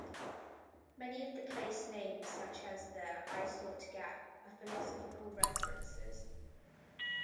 Many of the place names, such as the "Isought Gap", are philosophical references.